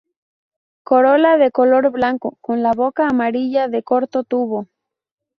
Corola de color blanco con la boca amarilla de corto tubo.